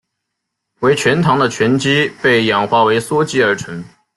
为醛糖的醛基被氧化为羧基而成。